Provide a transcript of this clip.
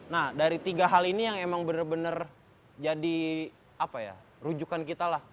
nah dari tiga hal ini yang emang bener bener jadi rujukan kita lah